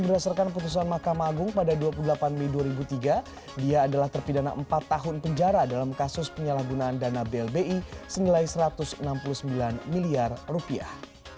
berdasarkan putusan mahkamah agung pada dua puluh delapan mei dua ribu tiga dia adalah terpidana empat tahun penjara dalam kasus penyalahgunaan dana blbi senilai satu ratus enam puluh sembilan miliar rupiah